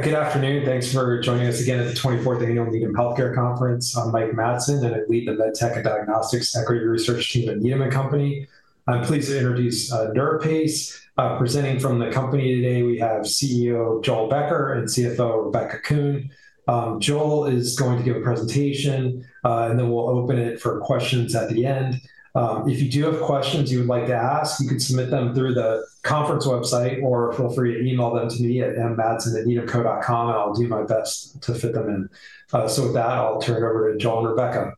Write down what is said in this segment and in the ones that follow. Good afternoon. Thanks for joining us again at the 24th Annual Needham Healthcare Conference. I'm Mike Matson, and I lead the MedTech and Diagnostics Equity Research Team at Needham & Company. I'm pleased to introduce NeuroPace. Presenting from the company today, we have CEO Joel Becker and CFO Rebecca Kuhn. Joel is going to give a presentation, and then we'll open it for questions at the end. If you do have questions you would like to ask, you can submit them through the conference website or feel free to email them to me at mmatson@needhamco.com, and I'll do my best to fit them in. With that, I'll turn it over to Joel and Rebecca.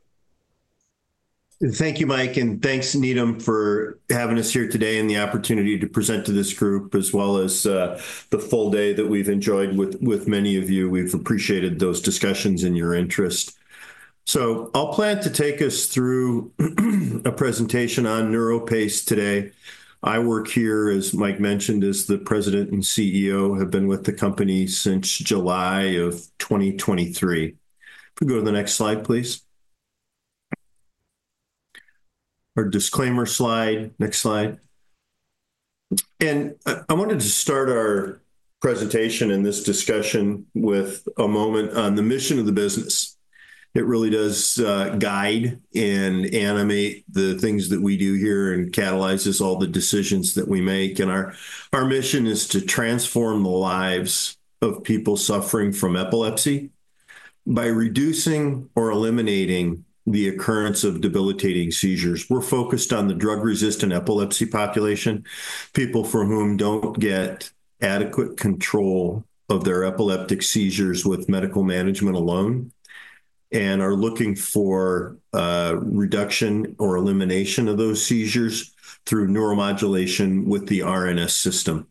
Thank you, Mike, and thanks, Needham, for having us here today and the opportunity to present to this group, as well as the full day that we've enjoyed with many of you. We've appreciated those discussions and your interest. I plan to take us through a presentation on NeuroPace today. I work here, as Mike mentioned, as the President and CEO, have been with the company since July of 2023. If we go to the next slide, please. Our disclaimer slide. Next slide. I wanted to start our presentation and this discussion with a moment on the mission of the business. It really does guide and animate the things that we do here and catalyzes all the decisions that we make. Our mission is to transform the lives of people suffering from epilepsy by reducing or eliminating the occurrence of debilitating seizures. We're focused on the drug-resistant epilepsy population, people for whom don't get adequate control of their epileptic seizures with medical management alone, and are looking for reduction or elimination of those seizures through neuromodulation with the RNS System.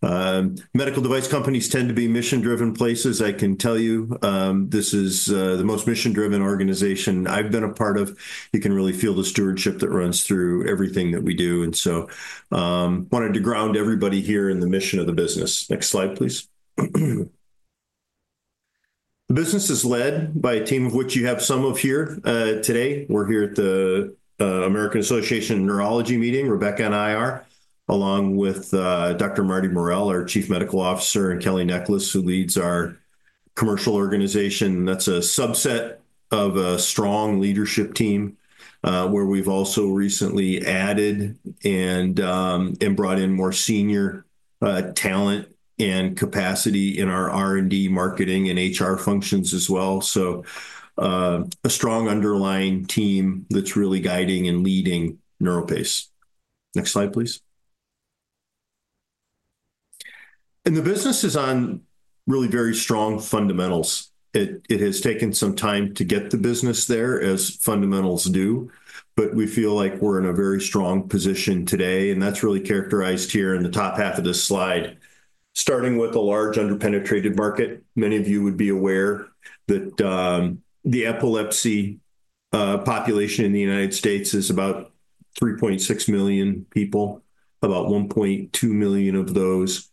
Medical device companies tend to be mission-driven places. I can tell you this is the most mission-driven organization I've been a part of. You can really feel the stewardship that runs through everything that we do. I wanted to ground everybody here in the mission of the business. Next slide, please. The business is led by a team of which you have some of here today. We're here at the American Academy of Neurology meeting. Rebecca and I are, along with Dr. Martha Morrell, our Chief Medical Officer, and Kelley Nicholas, who leads our commercial organization. That's a subset of a strong leadership team where we've also recently added and brought in more senior talent and capacity in our R&D, marketing, and HR functions as well. A strong underlying team is really guiding and leading NeuroPace. Next slide, please. The business is on really very strong fundamentals. It has taken some time to get the business there, as fundamentals do, but we feel like we're in a very strong position today. That's really characterized here in the top half of this slide. Starting with a large under-penetrated market, many of you would be aware that the epilepsy population in the U.S. is about 3.6 million people. About 1.2 million of those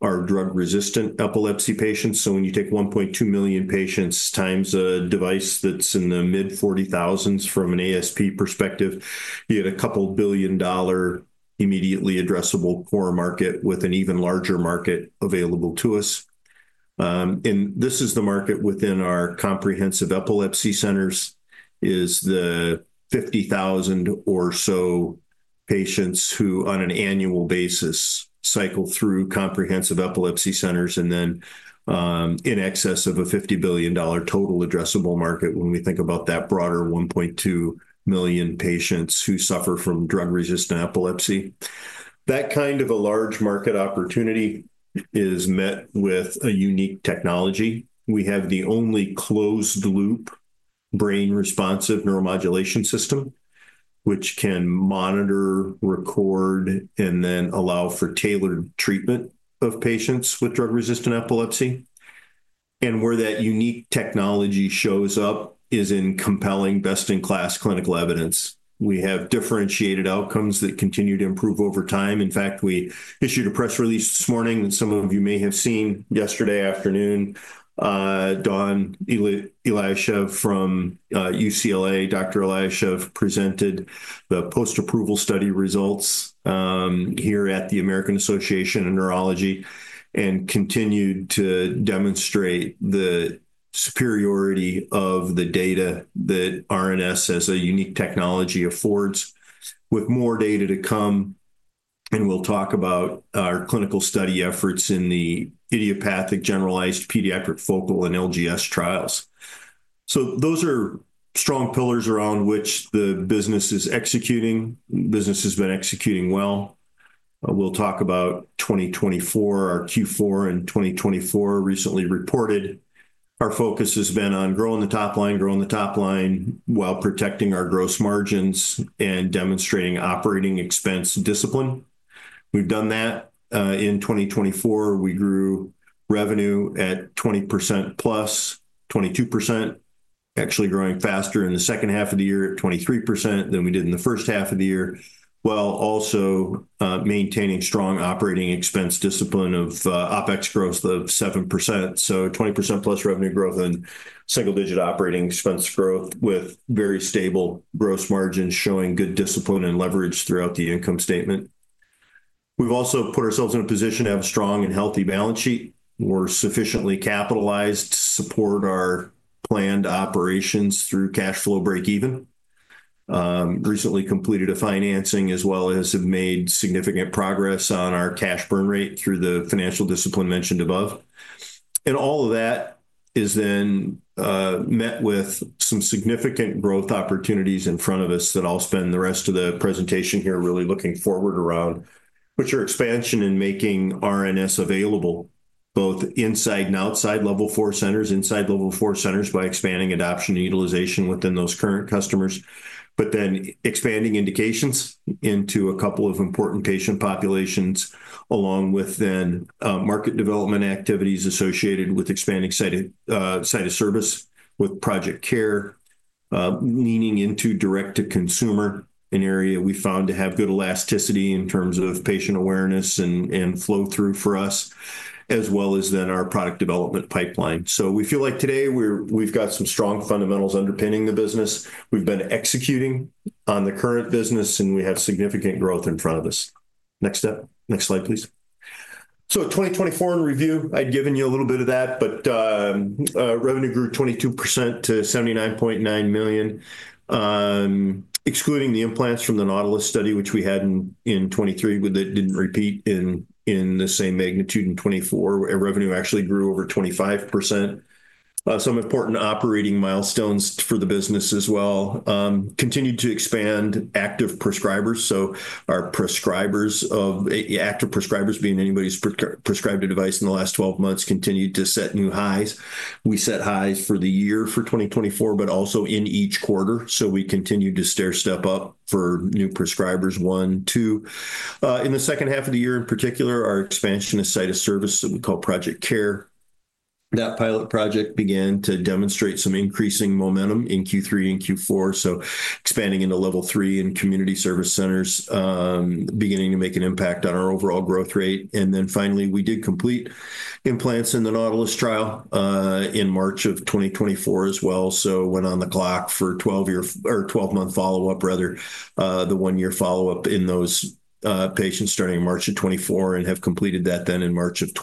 are drug-resistant epilepsy patients. When you take 1.2 million patients times a device that's in the mid-$40,000s from an ASP perspective, you get a couple billion dollar immediately addressable core market with an even larger market available to us. This is the market within our comprehensive epilepsy centers, the 50,000 or so patients who, on an annual basis, cycle through comprehensive epilepsy centers and then in excess of a $50 billion total addressable market when we think about that broader 1.2 million patients who suffer from drug-resistant epilepsy. That kind of a large market opportunity is met with a unique technology. We have the only closed-loop brain-responsive neuromodulation system, which can monitor, record, and then allow for tailored treatment of patients with drug-resistant epilepsy. Where that unique technology shows up is in compelling, best-in-class clinical evidence. We have differentiated outcomes that continue to improve over time. In fact, we issued a press release this morning that some of you may have seen yesterday afternoon. Dawn Eliashiv from UCLA, Dr. Eliashiv, presented the post-approval study results here at the American Association of Neurology and continued to demonstrate the superiority of the data that RNS, as a unique technology, affords with more data to come. We will talk about our clinical study efforts in the idiopathic generalized pediatric focal and LGS trials. Those are strong pillars around which the business is executing. The business has been executing well. We will talk about 2024, our Q4 in 2024, recently reported. Our focus has been on growing the top line, growing the top line while protecting our gross margins and demonstrating operating expense discipline. We have done that. In 2024, we grew revenue at 20% plus, 22%, actually growing faster in the second half of the year at 23% than we did in the first half of the year, while also maintaining strong operating expense discipline of OpEx growth of 7%. 20%+ revenue growth and single-digit operating expense growth with very stable gross margins showing good discipline and leverage throughout the income statement. We have also put ourselves in a position to have a strong and healthy balance sheet. We are sufficiently capitalized to support our planned operations through cash flow break-even. Recently completed a financing as well as have made significant progress on our cash burn rate through the financial discipline mentioned above. All of that is then met with some significant growth opportunities in front of us that I'll spend the rest of the presentation here really looking forward around, which are expansion and making RNS available both inside and outside level four centers, inside level four centers by expanding adoption and utilization within those current customers, but then expanding indications into a couple of important patient populations, along with then market development activities associated with expanding site of service with Project CARE, leaning into direct-to-consumer, an area we found to have good elasticity in terms of patient awareness and flow-through for us, as well as then our product development pipeline. We feel like today we've got some strong fundamentals underpinning the business. We've been executing on the current business, and we have significant growth in front of us. Next step. Next slide, please. 2024 in review, I'd given you a little bit of that, but revenue grew 22% to $79.9 million. Excluding the implants from the NAUTILUS trial, which we had in 2023, that did not repeat in the same magnitude in 2024, revenue actually grew over 25%. Some important operating milestones for the business as well. Continued to expand active prescribers. Our prescribers of active prescribers, being anybody who's prescribed a device in the last 12 months, continued to set new highs. We set highs for the year for 2024, but also in each quarter. We continued to stair-step up for new prescribers, one, two. In the second half of the year in particular, our expansion of site of service that we call Project CARE. That pilot project began to demonstrate some increasing momentum in Q3 and Q4. Expanding into level three and community service centers is beginning to make an impact on our overall growth rate. Finally, we did complete implants in the NAUTILUS trial in March of 2024 as well. Went on the clock for 12-month follow-up, rather, the one-year follow-up in those patients starting in March of 2024 and have completed that then in March of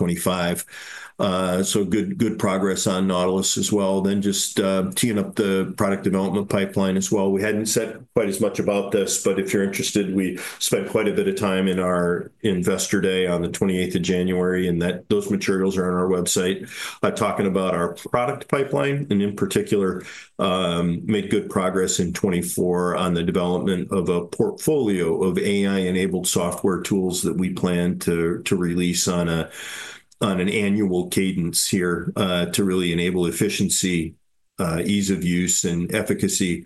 2025. Good progress on NAUTILUS as well. Just teeing up the product development pipeline as well. We hadn't said quite as much about this, but if you're interested, we spent quite a bit of time in our investor day on the 28th of January, and those materials are on our website, talking about our product pipeline and in particular, made good progress in 2024 on the development of a portfolio of AI-enabled software tools that we plan to release on an annual cadence here to really enable efficiency, ease of use, and efficacy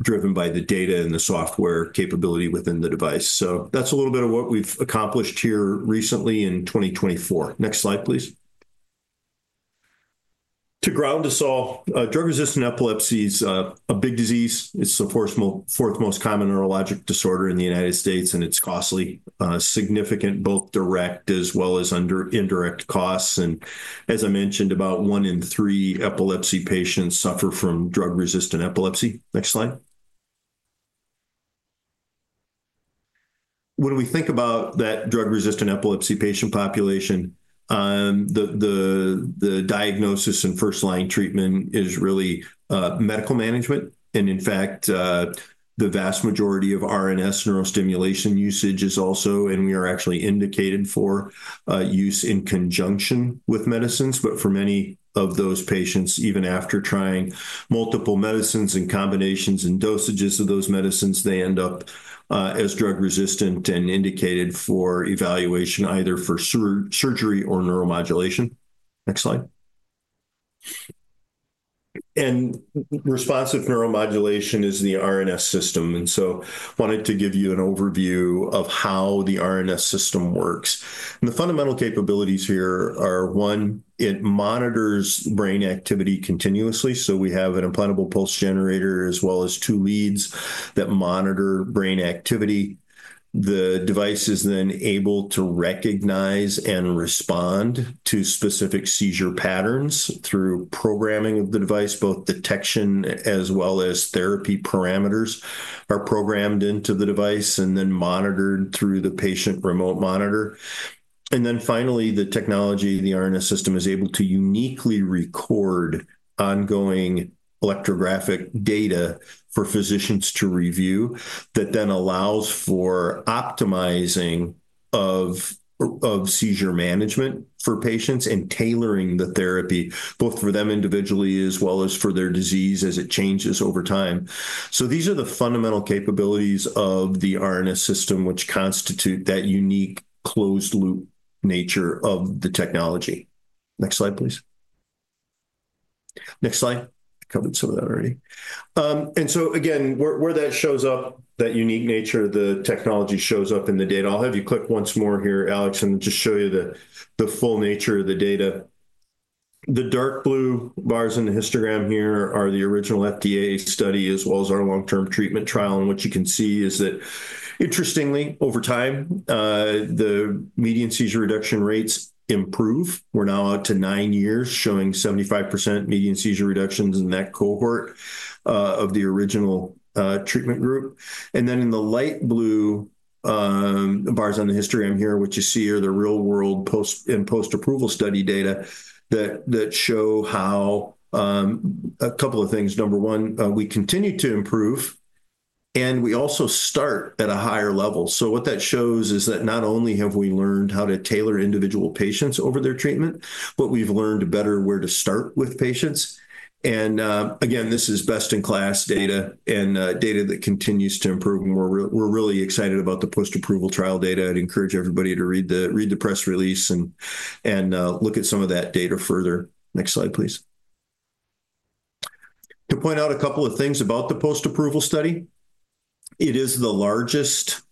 driven by the data and the software capability within the device. That's a little bit of what we've accomplished here recently in 2024. Next slide, please. To ground us all, drug-resistant epilepsy is a big disease. It's the fourth most common neurologic disorder in the United States, and it's costly, significant, both direct as well as indirect costs. As I mentioned, about one in three epilepsy patients suffer from drug-resistant epilepsy. Next slide. When we think about that drug-resistant epilepsy patient population, the diagnosis and first-line treatment is really medical management. In fact, the vast majority of RNS neurostimulation usage is also, and we are actually indicated for use in conjunction with medicines. For many of those patients, even after trying multiple medicines and combinations and dosages of those medicines, they end up as drug-resistant and indicated for evaluation either for surgery or neuromodulation. Next slide. Responsive neuromodulation is the RNS System. I wanted to give you an overview of how the RNS System works. The fundamental capabilities here are, one, it monitors brain activity continuously. We have an implantable pulse generator as well as two leads that monitor brain activity. The device is then able to recognize and respond to specific seizure patterns through programming of the device, both detection as well as therapy parameters are programmed into the device and then monitored through the patient remote monitor. Finally, the technology, the RNS System, is able to uniquely record ongoing electrographic data for physicians to review that then allows for optimizing of seizure management for patients and tailoring the therapy both for them individually as well as for their disease as it changes over time. These are the fundamental capabilities of the RNS System, which constitute that unique closed-loop nature of the technology. Next slide, please. Next slide. I covered some of that already. Again, where that shows up, that unique nature of the technology shows up in the data. I'll have you click once more here, Alex, and just show you the full nature of the data. The dark blue bars in the histogram here are the original FDA study as well as our long-term treatment trial. What you can see is that interestingly, over time, the median seizure reduction rates improve. We're now out to nine years showing 75% median seizure reductions in that cohort of the original treatment group. In the light blue bars on the histogram here, what you see are the real-world post- and post-approval study data that show a couple of things. Number one, we continue to improve, and we also start at a higher level. What that shows is that not only have we learned how to tailor individual patients over their treatment, but we've learned better where to start with patients. This is best-in-class data and data that continues to improve. We're really excited about the post-approval trial data. I'd encourage everybody to read the press release and look at some of that data further. Next slide, please. To point out a couple of things about the post-approval study, it is the largest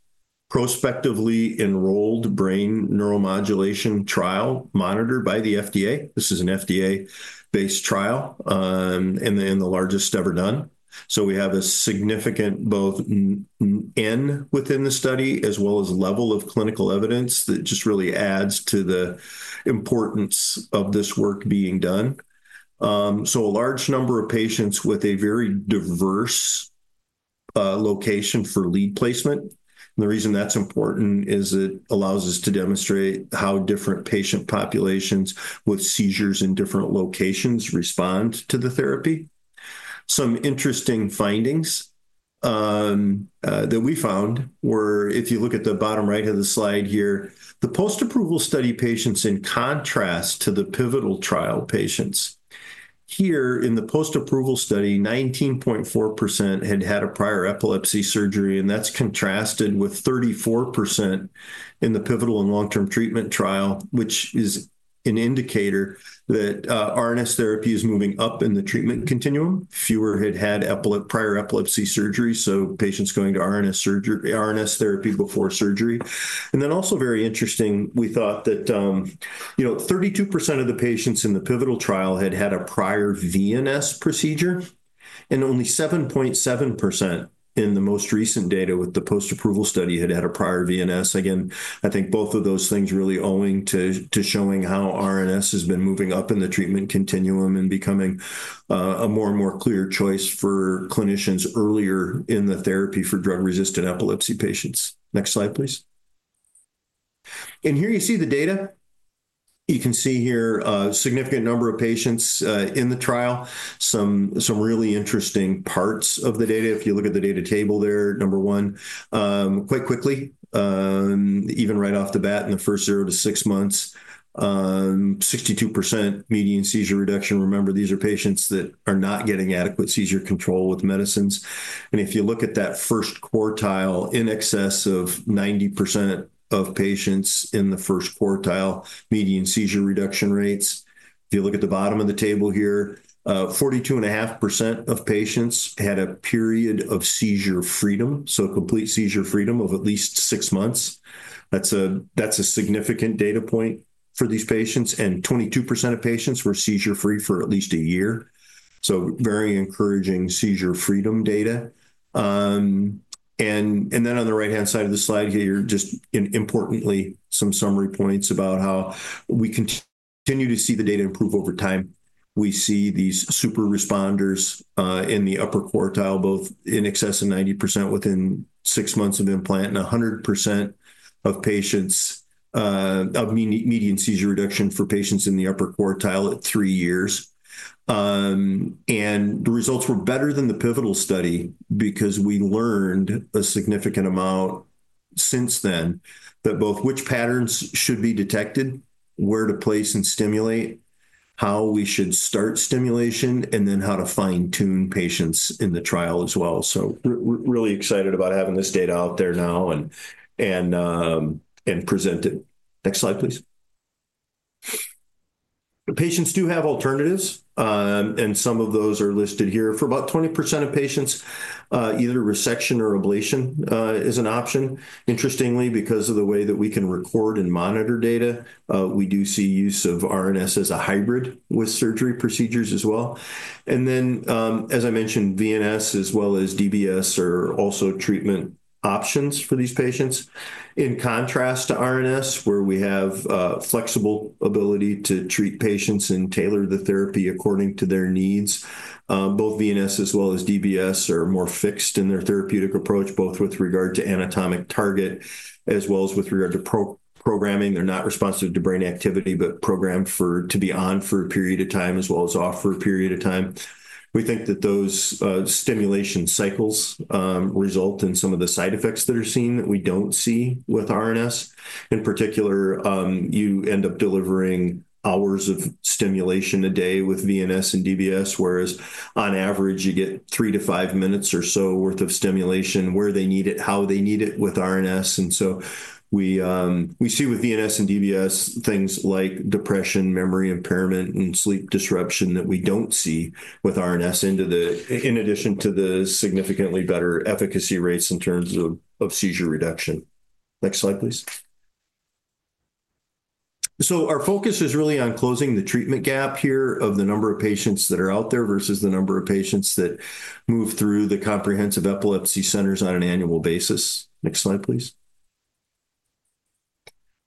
prospectively enrolled brain neuromodulation trial monitored by the FDA. This is an FDA-based trial and the largest ever done. We have a significant both N within the study as well as level of clinical evidence that just really adds to the importance of this work being done. A large number of patients with a very diverse location for lead placement. The reason that's important is it allows us to demonstrate how different patient populations with seizures in different locations respond to the therapy. Some interesting findings that we found were, if you look at the bottom right of the slide here, the post-approval study patients in contrast to the pivotal trial patients. Here in the post-approval study, 19.4% had had a prior epilepsy surgery, and that's contrasted with 34% in the pivotal and long-term treatment trial, which is an indicator that RNS therapy is moving up in the treatment continuum. Fewer had had prior epilepsy surgery, so patients going to RNS therapy before surgery. Also very interesting, we thought that 32% of the patients in the pivotal trial had had a prior VNS procedure, and only 7.7% in the most recent data with the post-approval study had had a prior VNS. Again, I think both of those things really owing to showing how RNS has been moving up in the treatment continuum and becoming a more and more clear choice for clinicians earlier in the therapy for drug-resistant epilepsy patients. Next slide, please. Here you see the data. You can see here a significant number of patients in the trial, some really interesting parts of the data. If you look at the data table there, number one, quite quickly, even right off the bat in the first zero to six months, 62% median seizure reduction. Remember, these are patients that are not getting adequate seizure control with medicines. If you look at that first quartile, in excess of 90% of patients in the first quartile, median seizure reduction rates, if you look at the bottom of the table here, 42.5% of patients had a period of seizure freedom, so complete seizure freedom of at least six months. That is a significant data point for these patients. 22% of patients were seizure-free for at least a year. Very encouraging seizure freedom data. On the right-hand side of the slide here, just importantly, some summary points about how we continue to see the data improve over time. We see these super responders in the upper quartile, both in excess of 90% within six months of implant and 100% of patients of median seizure reduction for patients in the upper quartile at three years. The results were better than the pivotal study because we learned a significant amount since then that both which patterns should be detected, where to place and stimulate, how we should start stimulation, and then how to fine-tune patients in the trial as well. Really excited about having this data out there now and present it. Next slide, please. Patients do have alternatives, and some of those are listed here. For about 20% of patients, either resection or ablation is an option. Interestingly, because of the way that we can record and monitor data, we do see use of RNS as a hybrid with surgery procedures as well. As I mentioned, VNS as well as DBS are also treatment options for these patients. In contrast to RNS, where we have flexible ability to treat patients and tailor the therapy according to their needs, both VNS as well as DBS are more fixed in their therapeutic approach, both with regard to anatomic target as well as with regard to programming. They're not responsive to brain activity, but programmed to be on for a period of time as well as off for a period of time. We think that those stimulation cycles result in some of the side effects that are seen that we don't see with RNS. In particular, you end up delivering hours of stimulation a day with VNS and DBS, whereas on average, you get three to five minutes or so worth of stimulation where they need it, how they need it with RNS. We see with VNS and DBS, things like depression, memory impairment, and sleep disruption that we do not see with RNS in addition to the significantly better efficacy rates in terms of seizure reduction. Next slide, please. Our focus is really on closing the treatment gap here of the number of patients that are out there versus the number of patients that move through the comprehensive epilepsy centers on an annual basis. Next slide, please.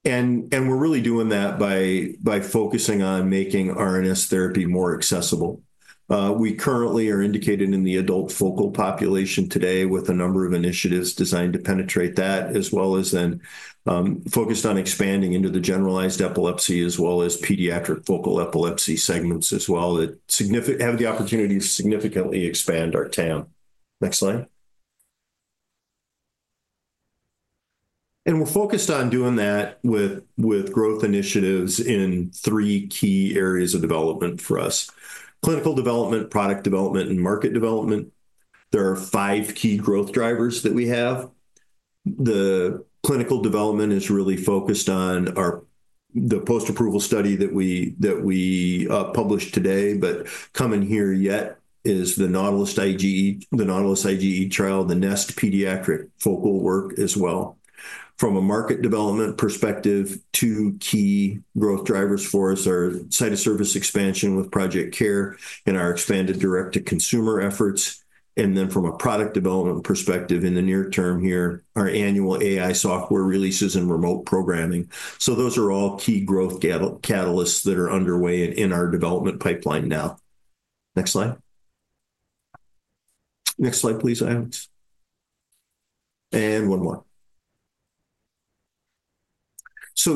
We are really doing that by focusing on making RNS therapy more accessible. We currently are indicated in the adult focal population today with a number of initiatives designed to penetrate that, as well as then focused on expanding into the generalized epilepsy as well as pediatric focal epilepsy segments as well that have the opportunity to significantly expand our TAM. Next slide. We're focused on doing that with growth initiatives in three key areas of development for us: clinical development, product development, and market development. There are five key growth drivers that we have. The clinical development is really focused on the post-approval study that we published today, but coming here yet is the NAUTILUS IGE, the NAUTILUS IGE trial, the next pediatric focal work as well. From a market development perspective, two key growth drivers for us are site of service expansion with Project CARE and our expanded direct-to-consumer efforts. From a product development perspective in the near term here, our annual AI software releases and remote programming. Those are all key growth catalysts that are underway in our development pipeline now. Next slide. Next slide, please, Alex. One more.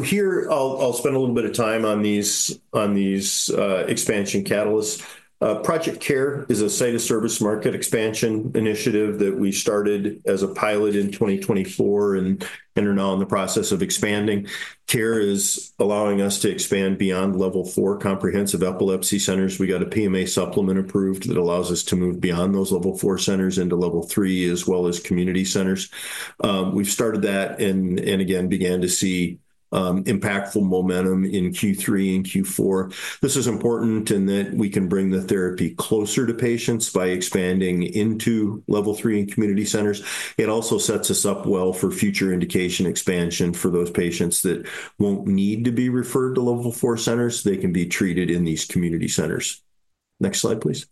Here, I'll spend a little bit of time on these expansion catalysts. Project CARE is a site of service market expansion initiative that we started as a pilot in 2024 and are now in the process of expanding. CARE is allowing us to expand beyond level four comprehensive epilepsy centers. We got a PMA supplement approved that allows us to move beyond those level four centers into level three as well as community centers. We've started that and again began to see impactful momentum in Q3 and Q4. This is important in that we can bring the therapy closer to patients by expanding into level three and community centers. It also sets us up well for future indication expansion for those patients that won't need to be referred to level four centers. They can be treated in these community centers. Next slide, please.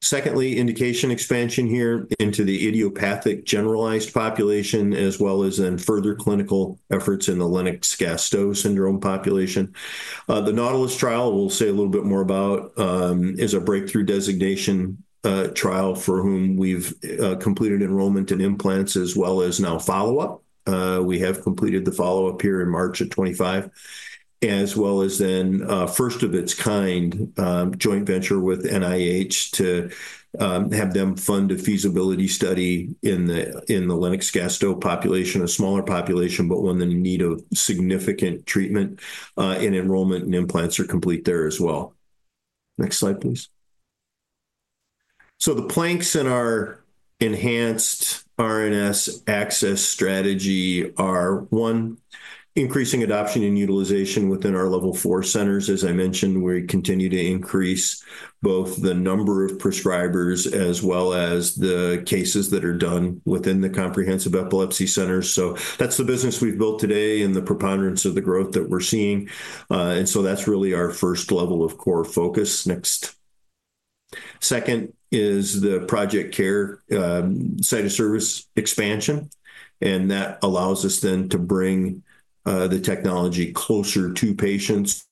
Secondly, indication expansion here into the idiopathic generalized population as well as in further clinical efforts in the Lennox-Gastaut Syndrome population. The NAUTILUS trial, we'll say a little bit more about, is a breakthrough designation trial for whom we've completed enrollment in implants as well as now follow-up. We have completed the follow-up here in March of 2025, as well as then first of its kind joint venture with NIH to have them fund a feasibility study in the Lennox-Gastaut population, a smaller population, but one in need of significant treatment and enrollment in implants are complete there as well. Next slide, please. The planks in our enhanced RNS access strategy are one, increasing adoption and utilization within our level four centers. As I mentioned, we continue to increase both the number of prescribers as well as the cases that are done within the comprehensive epilepsy centers. That's the business we've built today and the preponderance of the growth that we're seeing. That's really our first level of core focus. Next. Second is the Project CARE site of service expansion. That allows us then to bring the technology closer to patients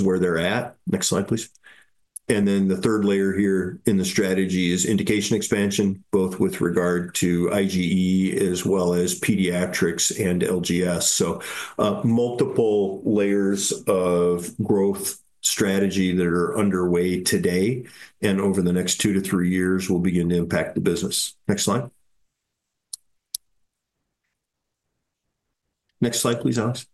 where they're at. Next slide, please. The third layer here in the strategy is indication expansion, both with regard to IGE as well as pediatrics and LGS. Multiple layers of growth strategy are underway today and over the next two to three years will begin to impact the business. Next slide. Next slide, please, Alex.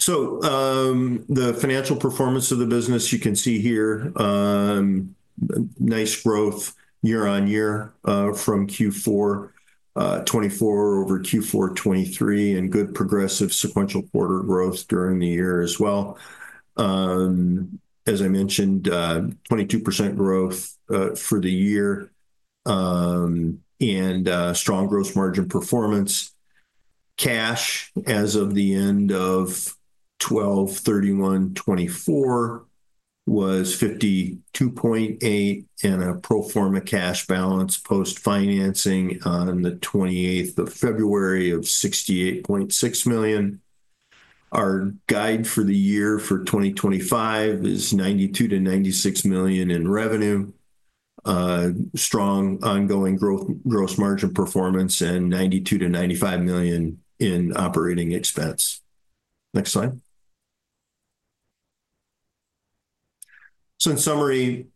The financial performance of the business, you can see here, nice growth year on year from Q4 2024 over Q4 2023 and good progressive sequential quarter growth during the year as well. As I mentioned, 22% growth for the year and strong gross margin performance. Cash as of the end of 12/31/2024 was $52.8 million and a pro forma cash balance post-financing on the 28th of February of $68.6 million. Our guide for the year for 2025 is $92 million-$96 million in revenue, strong ongoing gross margin performance, and $92 million-$95 million in operating expense. Next slide. In summary,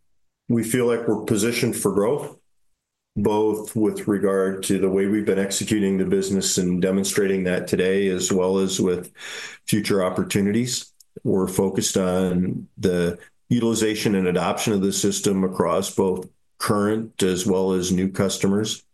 we feel like we're positioned for growth, both with regard to the way we've been executing the business and demonstrating that today as well as with future opportunities. We're focused on the utilization and adoption of the system across both current as well as new customers,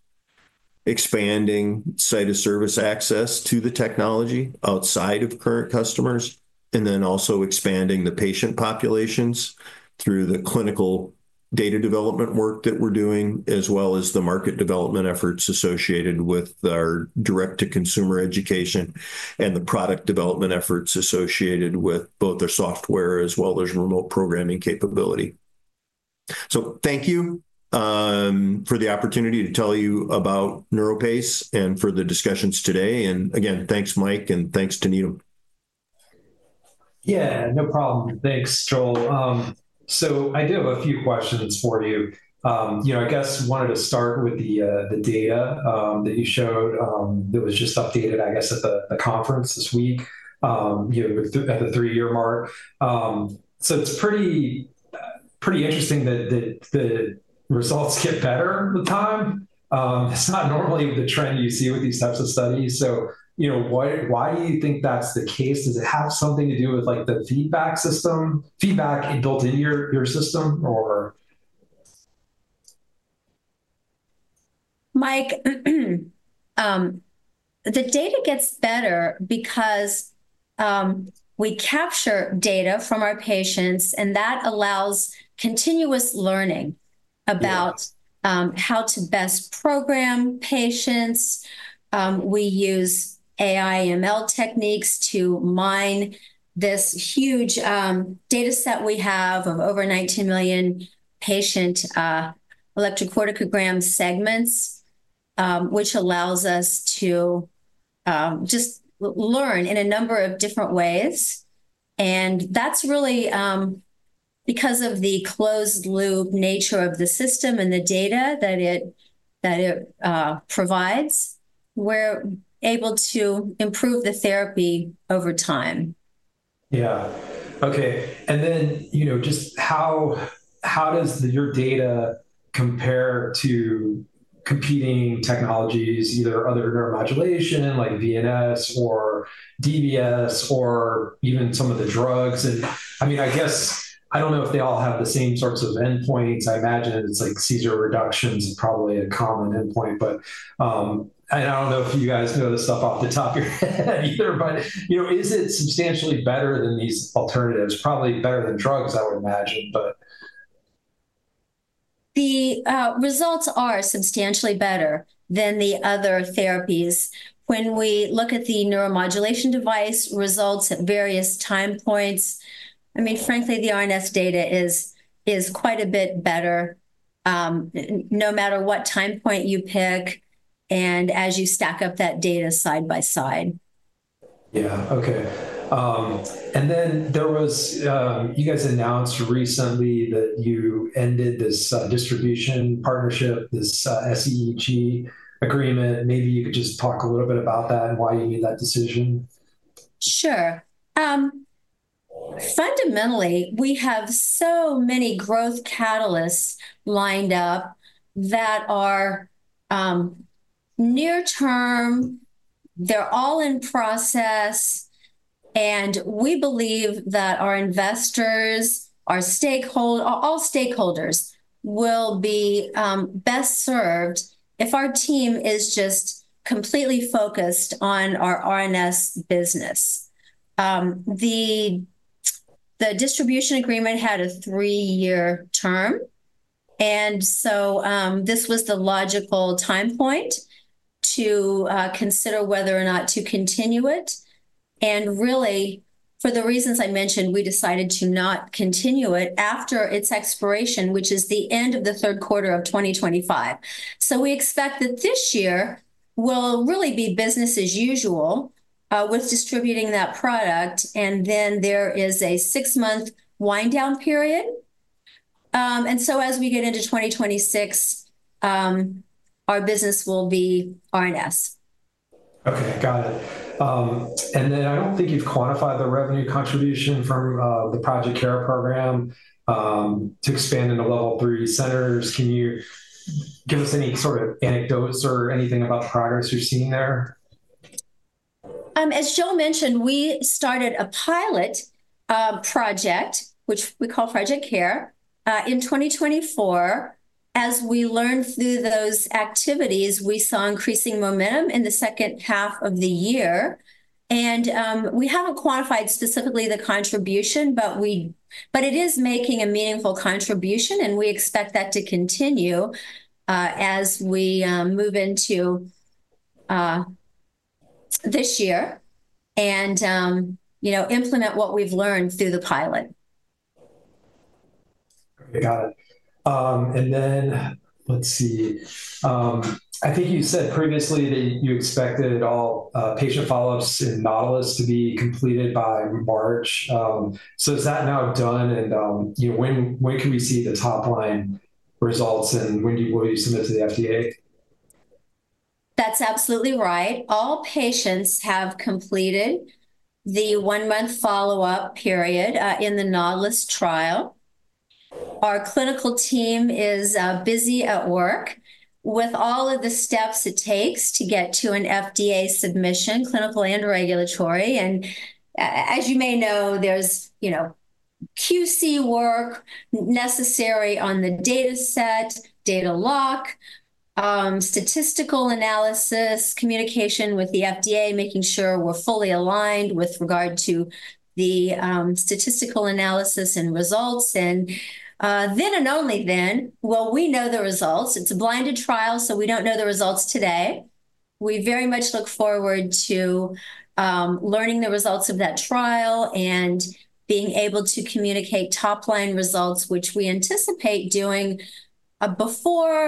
expanding site of service access to the technology outside of current customers, and then also expanding the patient populations through the clinical data development work that we're doing as well as the market development efforts associated with our direct-to-consumer education and the product development efforts associated with both our software as well as remote programming capability. Thank you for the opportunity to tell you about NeuroPace and for the discussions today. Again, thanks, Mike, and thanks to Needham. Yeah, no problem. Thanks, Joel. I do have a few questions for you. I guess wanted to start with the data that you showed that was just updated, I guess, at the conference this week at the three-year mark. It's pretty interesting that the results get better with time. It's not normally the trend you see with these types of studies. Why do you think that's the case? Does it have something to do with the feedback system? Feedback built in your system, or? Mike, the data gets better because we capture data from our patients, and that allows continuous learning about how to best program patients. We use AI/ML techniques to mine this huge data set we have of over 19 million patient electrocorticogram segments, which allows us to just learn in a number of different ways. That's really because of the closed-loop nature of the system and the data that it provides, we're able to improve the therapy over time. Yeah. Okay. How does your data compare to competing technologies, either other neuromodulation like VNS or DBS or even some of the drugs? I mean, I guess I don't know if they all have the same sorts of endpoints. I imagine it's like seizure reductions is probably a common endpoint, but I don't know if you guys know this stuff off the top of your head either, but is it substantially better than these alternatives? Probably better than drugs, I would imagine. The results are substantially better than the other therapies. When we look at the neuromodulation device results at various time points, I mean, frankly, the RNS data is quite a bit better no matter what time point you pick and as you stack up that data side by side. Yeah. Okay. You guys announced recently that you ended this distribution partnership, this SEEG agreement. Maybe you could just talk a little bit about that and why you made that decision. Sure. Fundamentally, we have so many growth catalysts lined up that are near-term. They are all in process. We believe that our investors, all stakeholders will be best served if our team is just completely focused on our RNS business. The distribution agreement had a three-year term. This was the logical time point to consider whether or not to continue it. Really, for the reasons I mentioned, we decided to not continue it after its expiration, which is the end of the third quarter of 2025. We expect that this year will really be business as usual with distributing that product. There is a six-month wind-down period. As we get into 2026, our business will be RNS. Okay. Got it. I do not think you have quantified the revenue contribution from the Project CARE program to expand into level three centers. Can you give us any sort of anecdotes or anything about progress you're seeing there? As Joel mentioned, we started a pilot project, which we call Project CARE, in 2024. As we learned through those activities, we saw increasing momentum in the second half of the year. We haven't quantified specifically the contribution, but it is making a meaningful contribution, and we expect that to continue as we move into this year and implement what we've learned through the pilot. Got it. I think you said previously that you expected all patient follow-ups in Nautilus to be completed by March. Is that now done? When can we see the top-line results? When will you submit to the FDA? That's absolutely right. All patients have completed the one-month follow-up period in the Nautilus trial. Our clinical team is busy at work with all of the steps it takes to get to an FDA submission, clinical and regulatory. As you may know, there's QC work necessary on the data set, data lock, statistical analysis, communication with the FDA, making sure we're fully aligned with regard to the statistical analysis and results. Then and only then, we will know the results. It's a blinded trial, so we don't know the results today. We very much look forward to learning the results of that trial and being able to communicate top-line results, which we anticipate doing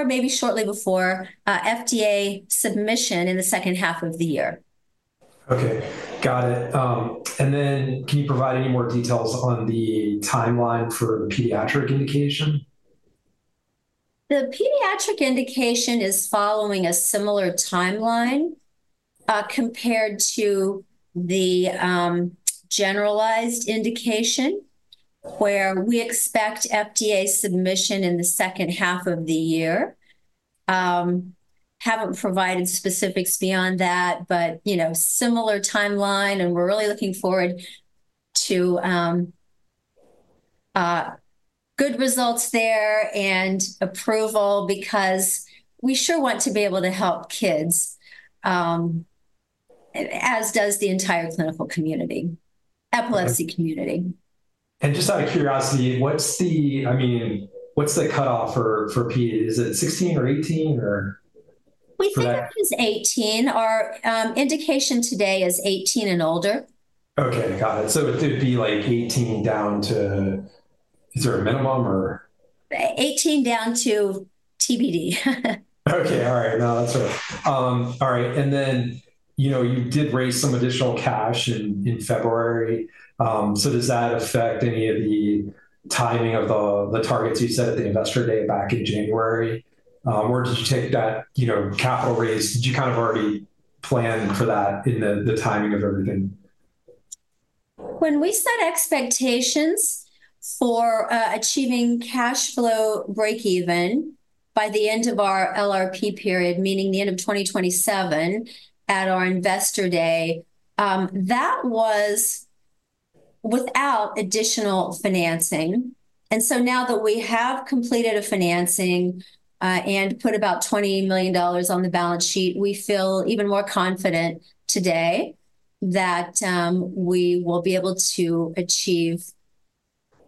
maybe shortly before FDA submission in the second half of the year. Okay. Got it. Can you provide any more details on the timeline for the pediatric indication? The pediatric indication is following a similar timeline compared to the generalized indication, where we expect FDA submission in the second half of the year. Haven't provided specifics beyond that, but similar timeline. We're really looking forward to good results there and approval because we sure want to be able to help kids, as does the entire clinical community, epilepsy community. Just out of curiosity, I mean, what's the cutoff for P? Is it 16 or 18, or? We think it is 18. Our indication today is 18 and older. Okay. Got it. It would be like 18 down to is there a minimum, or? 18 down to TBD. Okay. All right. No, that's right. All right. You did raise some additional cash in February. Does that affect any of the timing of the targets you set at the investor day back in January? Did you take that capital raise? Did you kind of already plan for that in the timing of everything? When we set expectations for achieving cash flow break-even by the end of our LRP period, meaning the end of 2027 at our investor day, that was without additional financing. Now that we have completed a financing and put about $20 million on the balance sheet, we feel even more confident today that we will be able to achieve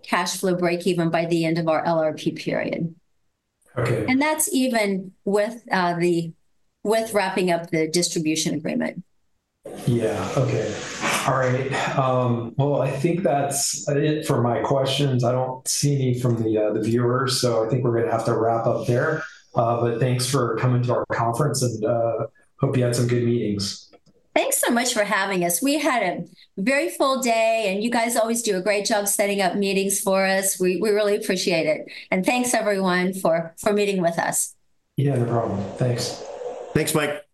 cash flow break-even by the end of our LRP period. That is even with wrapping up the distribution agreement. Okay. All right. I think that is it for my questions. I do not see any from the viewers. I think we are going to have to wrap up there. Thanks for coming to our conference, and hope you had some good meetings. Thanks so much for having us. We had a very full day, and you guys always do a great job setting up meetings for us. We really appreciate it. Thanks, everyone, for meeting with us. Yeah, no problem. Thanks. Thanks, Mike. Take care.